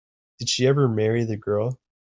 Did she ever marry the girl?